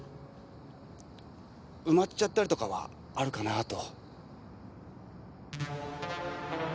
埋まっちゃったりとかはあるかなぁと。